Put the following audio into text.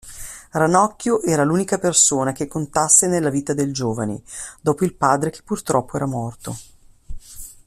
Ranocchio era l'unica persona che contasse nella vita del giovane, dopo il padre che purtroppo era morto.